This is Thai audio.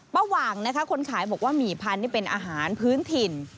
หว่างนะคะคนขายบอกว่าหมี่พันธุ์เป็นอาหารพื้นถิ่น